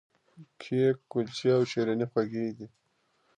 کیک، کلچې او شیریني خوږې دي.